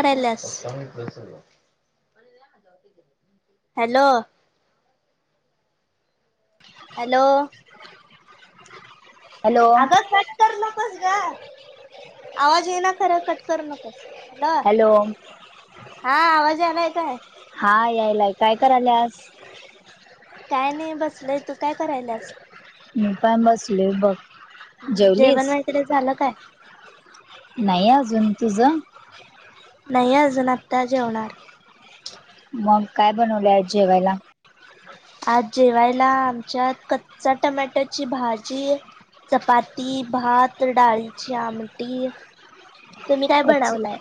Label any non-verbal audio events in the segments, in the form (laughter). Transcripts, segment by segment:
करायल्यास. (inaudible) Hello. Hello. (inaudible) Hello आगं cut कर नकोस ग, आवाज ये ना खरं कट कर नकोस. हॅलो हा आवाज यालाय काय. हा यायलाय काय करायल्यास? काय नाही बसलोय तू. काय करायल्यास मी पण बसलोय बघ जेवलीस जेवण वगैरे झालं काय? नाही अजून तुझं. नाही अजून आता जेवणार. मग काय बनवलंय? आज जेवायला. आज जेवायला आमच्यात कच्चा टोमॅटोची भाजी. चपाती, भात, डाळीची आमटी. तुम्ही काय अच्छा. बनवलाय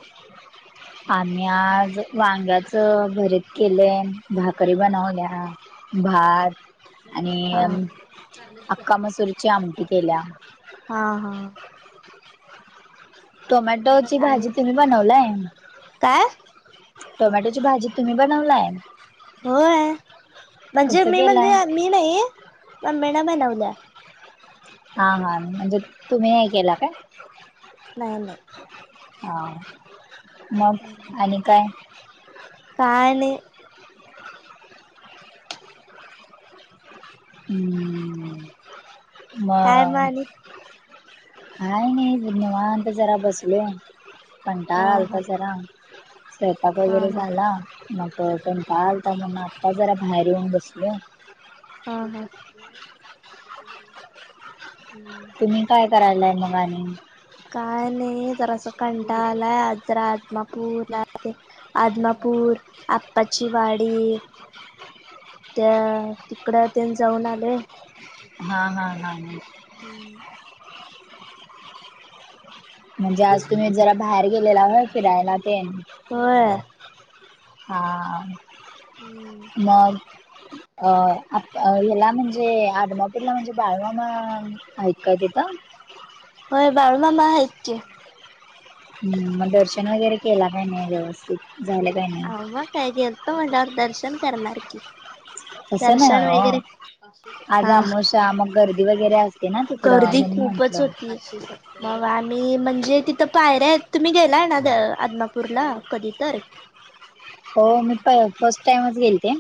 आम्ही आज वांग्याचं भरीत केलयं भाकरी बनवल्या. भात हा आणि अख्खा मसूरच्या आमटी केल्या. हा हा. (inaudible) टोमॅटोची भाजी आणि तुम्ही बनवलाय. काय टोमॅटोची भाजी तुम्ही बनवलाय? होय कसं मी केलाय म्हणजे मी नाही म्हणजे मम्मीने बनवल्या. हा हा म्हणजे तुम्ही हे केला काय? नाही नाही. मग हम्म. आणि काय. काय नाही. काय म मग. आणि काय नाही निवांत जरा बसलोय. हा कंटाळा हा आलता जरा. स्वयंपाक हा वगैरे हा झाला, मग कंटाळ आलता म्हणून आता जरा बाहेर येऊन बसलोय. हा हा. तुम्ही काय करायलाय मग आणि? काय नाही जरा अस कंटाळ आलाय आदमापूरला आदमापूर, आप्पाची वाडी. त्या तिकड तेन जाऊन आले. हा हा हा. हम्म. म्हणजे, आज तुम्ही जरा बाहेर गेलेला होय फिरायला तेन. होय हा हम्म मग? अ आता याला म्हणजे आदमापूरला म्हणजे बाळूमामा हाय काय तिथं? होय बाळूमामा आहेत की. हम्म, म दर्शन वगैरे केला का नाही व्यवस्थित? झालं काय नाय? आओ मग काय गेलतो म्हंटल्यावर दर्शन करणार की. तसं दर्शन नाहीये ओ. वगैरे आज हा अमोशा मग गर्दी वगैरे अस तेना तिकडं म्हणून म्हटलं. शिसक्त मग आम्ही म्हणजे तिथं पायऱ्या आहेत तुम्ही गेलाय ना गं आदमापूरला कधी तर. हो मी प फर्स्ट टाइमच गेलते,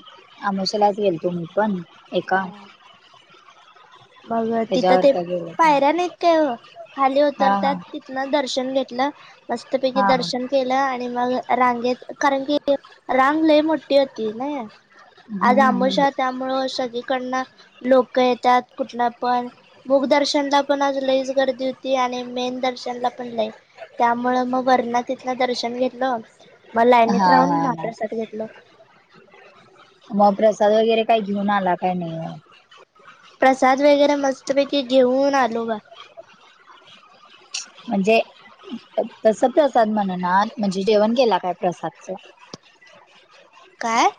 आमोशालाच गेलतो मी पण. एका मग तिथं त्याच्यावर ते का गेलं पण पायऱ्या नाहीत काय ओ, खाली हा उतरतात हा ति पुन्हा दर्शन घेतलं. मस्तपैकी हा हा दर्शन केलं आणि मग रांगेत कारण की रांग लई मोठी होती ना. आज हम्म आमोशा त्यामुळं सगळीकडनं लोकं येत्यात. कुठलं पण मूख दर्शनला पण आज लईच गर्दी होती आणि मेन दर्शनला पण लई. त्यामुळं मग वरनं तिथलं दर्शन घेतलं म लाईनीत हा राहून हा महा हा प्रसाद घेतलं. म प्रसाद वगैरे काय घेऊन आला काय नाय हो? प्रसाद वगैरे मस्तपैकी घेऊन आलो बघ. म्हणजे तसं प्रसाद म्हणनात, म्हणजे जेवण केेला काय प्रसादचं? काय?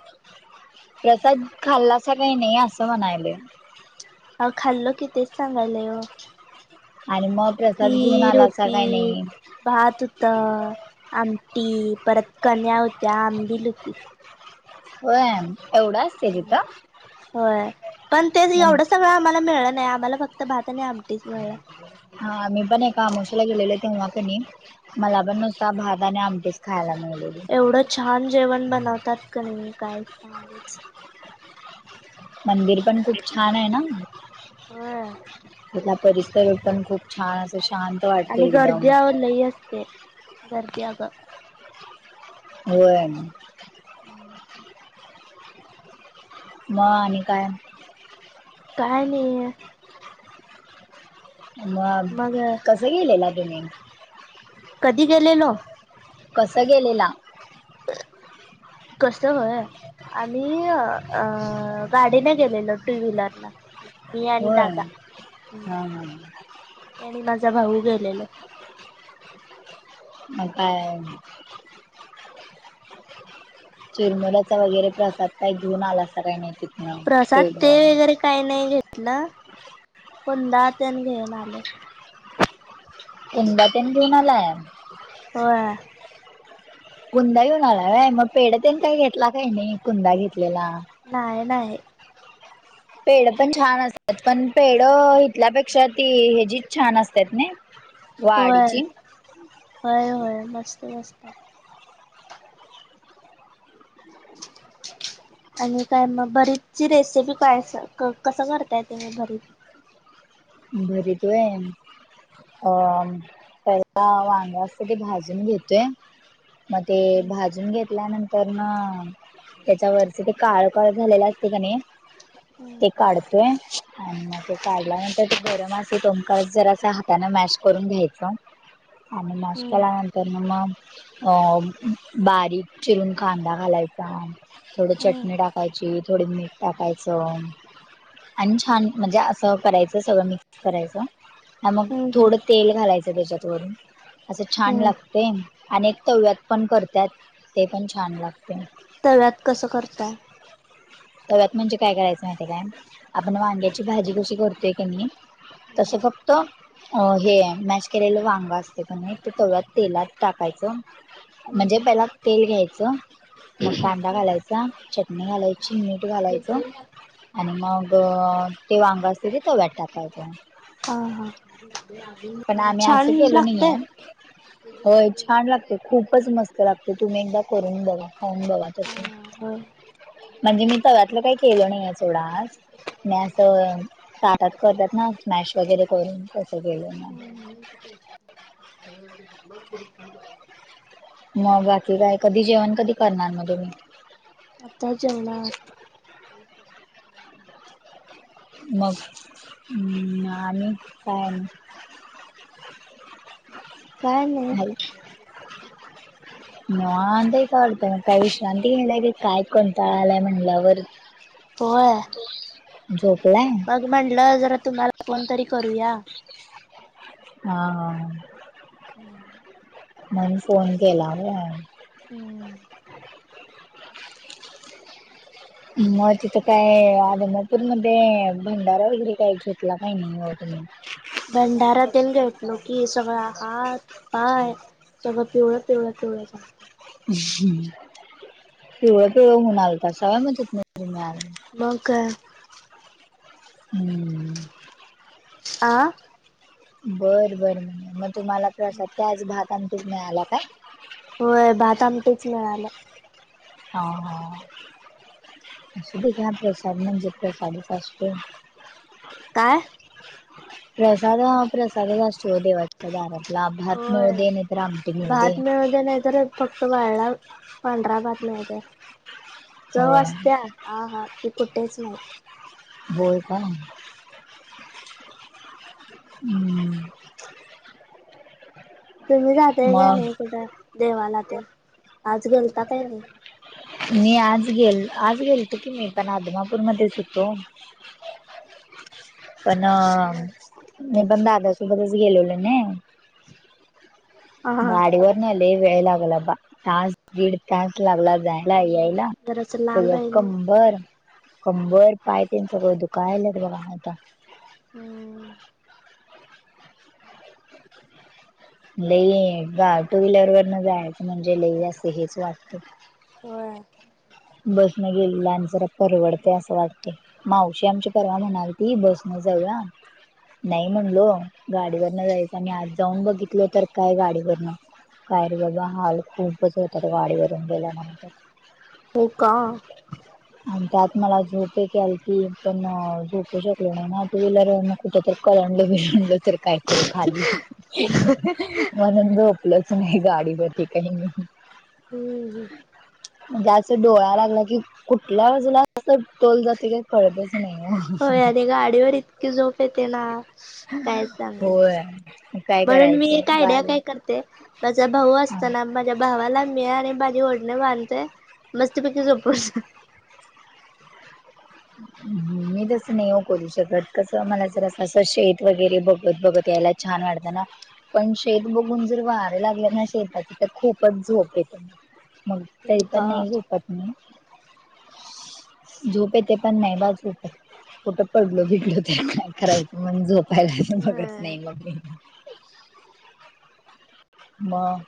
प्रसाद खाल्लासा काही नाही असं म्हणायलोय. अ खाल्लं की तेच सांगालय हो. आणि म प्रसाद घेऊन आला असं काही होती नाही. भात हुतं, आमटी, परत कन्या हुत्या, आंबिल हुती. वयाम हम्म होय, पण तेच एवढं सगळं आम्हाला मिळलं नाही आम्हाला फक्त भात आणि आमटीच हा मीपण एका अमोशाला गेलेले तेव्हा का नाई मला पण नुसता भात आणि आमटीच. खायला मिळलेली एवढं छान जेवण बनवतात क नई काय सांगूच मंदिर पण खूप छान आहे ना. होय. त्यातला परिसर पण खूप छान असं शांत वाटते आणि एकदम गर्दी आओ लई असते, गर्दी अगं हो आहे ना. हम्म. म आणि काय? काय नाय. मग कसं गेलेला तुम्ही? कधी गेलेलो? कसं गेलेला? (inaudible) कसं होय? आम्ही अ गाडीने गेलेलो टू व्हीलरला. मी आणि होय दादा हं, हा हा मी आणि माझा भाऊ गेलेलो. म काय आहे? चिरमुऱ्याचा वगैरे प्रसाद काही घेऊन आलासा काय नाही ति प्रसाद ते वगैरे काही नाही घेतलं कुंदा तेन घेऊन आलो. कुंदा तेन घेऊन आलाय आज. होय. कुंदा घेऊन आला व्हय मग, पेढ तेन काही घेतला काही नाही कुंदा घेतलेला. नाय नाही. पेढ पण छान असतात, कारण पेढ इथल्यापेक्षा ती हेची छान असत्यात नई? होय, होय होय मस्त मस्त आहे. (inaudible) आणि काय मग भरीतची रेसिपी काय अस? कसं करताय तुम्ही भरीत? भरीत व्हय. अम पहिला वांग असत ते भाजून घेतोय. म ते हम्म भाजून घेतल्यानंतर ना त्याच्यावरचे ते काळ. काळ झालेला असते का नी हम्म ते काढतोय आणि मग ते काढल्यानंतर. तर ते गरम असते तो पर्यंत जरा हातने मॅश करून घ्यायच आणि मॅश हम्म केल्यान तर मग अ बारीक चिरून कांदा घालायचा. थोडी हम्म चटणी टाकायची, थोडं मीठ टाकायचं. आणि छान म्हणजे असं करायचं सगळं मिक्स करायचं आणि मग हम्म हम्म थोडं तेल घालायचं त्याच्यात वरून. असं छान हम्म लागतय अनेक तव्यात पण करत्यात ते पण छान लागतय. तव्यात कसं करताय? तव्यात म्हणजे काय करायचं माहिती काय? आपण वांग्याची भाजी कशी करतोय तेनी तसंच झोपतो. अ हे मॅश केलेलं वांग असते क नई ते तव्यात तेलात टाकायचं. म्हणजे पॅनात तेल घ्यायचं. मग कांदा घालायचा, चटणी घालायची, मीठ घालायचं. आणि मग ते वांग असते, ते तव्यात टाकायच. हा हा, पण आम्ही छान असं केलो नाहीये लागतय? होय छान लागत, खूपचं मस्त लागते तुम्ही एकदा करून बघा खाऊन बघा. हा तस. होय म्हणजे मी तव्यातलं काही केलं नाहीये सोडा आज, मी असं. त्यात करतात ना, स्मॅश वगैरे करून तसं केलं. (inaudible) मग बाकी काय? कधी जेवण कधी करणार मग तुम्ही? आता जेवणार. मग आणि काय नई. (inaudible) काय नई. निवांत काय, विश्रांती घेतली की काय कंटाळ आलाय म्हंटल्यावर. होय झोपलाय? मग म्हणलं जरा तुम्हाला फोन तरी करूया. हा हा हा. (inaudible) म्हणुन फोन केला होय? हम्म. मग तिथं काय आले नायत. पूरमध्ये भंडारा वगैरे काही घेतला काही नाही नव्ह तुम्ही. भंडारा तेन घेतलो कि सगळा हात पाय. सगळ पिवळं पिवळं पिवळं झालं. अहं, पिवळं पिवळं होऊन आलत सवय तुम्ही आज. मग काय? हम्म. आ. बरं बरं मग आज तुम्हाला प्रसाद काय भात आमटीच मिळाला काय? होय भात आमटीचं मिळालं. हा हा. असूदे घ्या प्रसाद म्हणजे प्रसादच असतो. काय? प्रसाद हा प्रसादच असतोय ओ देवाच्या दारातला. भात मिळू दे नाहीतर आमटी मिळू दे. दे नाहीतर फक्त वाळला पांढरा भात मिळू दे. चव होय असत्या. आ हा ती कुठेच नाही. होय काय हुं तुम्ही जाताय काय मग नाही कुठं देवाला तेन? आज गेलता काय नाही? मी आज गेल- आज गेलतो की मी पण आदमापूरमध्येच हुतो. पण होय. मी पण दादा सोबतच गेललो ना. हा हा गाडीवर नाही आले वेळ लागला बा तास गीड तास लागला जाय- हम्म यायला जरासं लांब ना आहे (unintelligible) कंबर कंबर पाय तन सगळं दुख लयत बघा आता. हम. लई बा टू व्हीलर वरन जायचं म्हणजे लई असं हेच वाटतं. व्हयं. बसनं गेलेलं आणि जरा परवडतय असं वाटतंय. मावशी आमची परवा म्हणालती बसं न जाऊया. नाही म्हणलो, गाडीवरन जायचं आणि आज जाऊन बघितलो तर काय गाडीवरन. काय रे बाबा हाल खूपचं होतात. गाडीवरून गेल्यानंतर. हो का? आणि त्यात मला झोप एक यायलती पण नाही झोपू शकलो नाही ना कारण टू व्हीलरवरन कुठे तर कलंडलो बिलंडलो तर काय करू खाली. (unintelligible) म्हणून झोपलोच नाही काही गाडीवरती मी काही हंम्म. हम्म. म्हणजे असं डोळा लागला की कुठल्या बाजूला तोल जातोय होय आणि गाडीवर इतकी झोप येते ना काय सांगू? होय मग काय म्हणून मी करायचंय एक आयडिया गाडी काय करते माझा भाऊ असतो ना. माझ्या भावाला मी आणि माझी ओडणी बांधते मस्तपैकी झोपून जा मी तसं नाही वो करू शकत कसं मला जर अस शेत वगैरे बघत बघत यायला छान वाटत ना पण शेत बघून जर वारं लागलं ना शेतातची तर खूपच झोप येते. मग तरी पण जा नाही झोपत झोपये ते पण नाही (unintelligible) कुठं पडलो भिडलो तर. करायचं मण झोपायला बघत नाही मग. मग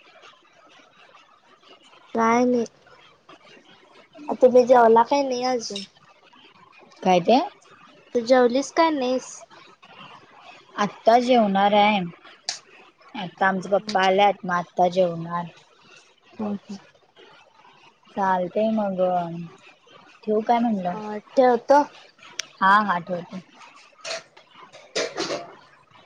काही नाही. (inaudible) तुम्ही जेवला काय नाही अजून? काय ते? तर जेवलीस काय नाहीस? आत्ता जेवणार आहे आता आमचा पप्पा आल्यात. आत जेवणार. हम हम. चालतेय मग ठेऊ काय म्हणलं. अ ठेवतो. हा हा ठेव (inaudible)